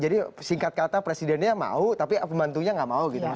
jadi singkat kata presidennya mau tapi pembantunya nggak mau gitu